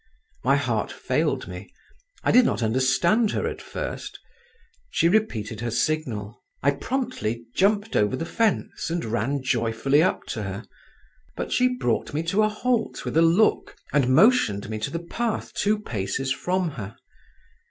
My heart failed me; I did not understand her at first. She repeated her signal. I promptly jumped over the fence and ran joyfully up to her, but she brought me to a halt with a look, and motioned me to the path two paces from her.